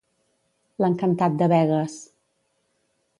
L'encantat de Begues.